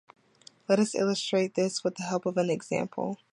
Let us illustrate this with the help of an example.